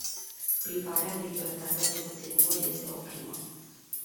Privarea de libertate a cetățenilor este o crimă.